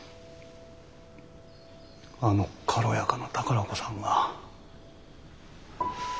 あの軽やかな宝子さんが？